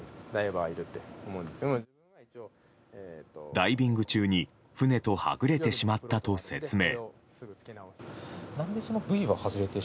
ダイビング中に船とはぐれてしまったと説明。